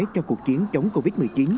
cho cuộc chiến chống covid một mươi chín